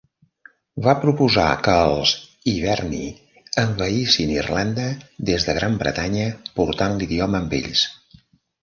Va proposar que els iverni envaïssin Irlanda des de Gran Bretanya, portant l'idioma amb ells.